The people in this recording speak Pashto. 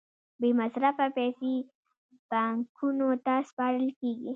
بې مصرفه پیسې بانکونو ته سپارل کېږي